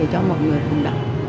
cho mọi người cùng đọc